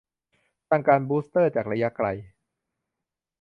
สั่งการบูสเตอร์จากระยะไกล